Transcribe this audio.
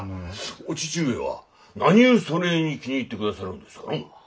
お父上は何ゅうそねえに気に入ってくださりょんですかの。